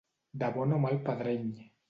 De bon o mal pedreny.